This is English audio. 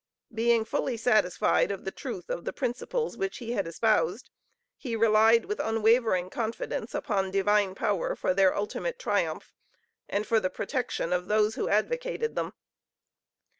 Being fully satisfied of the truth of the principles which he had espoused, he relied with unwavering confidence upon Divine power for their ultimate triumph, and for the protection of those who advocated them.